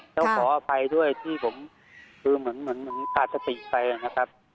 ต้องขออภัยด้วยที่ผมคือเหมือนขาดสติไปนะครับ